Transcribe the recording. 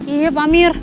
iya pak pamir